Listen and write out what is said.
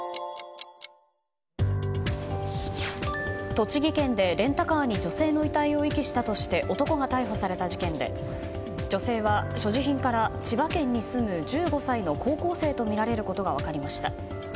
栃木県でレンタカーに女性の遺体を遺棄したとして男が逮捕された事件で女性は、所持品から千葉県に住む１５歳の高校生とみられることが分かりました。